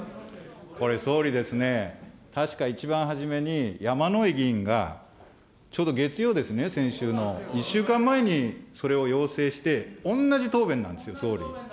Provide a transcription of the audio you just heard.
これ、総理ですね、確か一番初めに、やまのい議員がちょうど月曜ですね、先週の、１週間前にそれを要請して、おんなじ答弁なんですよ、総理。